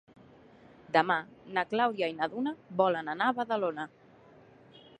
Demà na Clàudia i na Duna volen anar a Badalona.